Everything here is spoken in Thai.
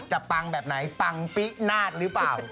ปังแบบไหนปังปินาศหรือเปล่า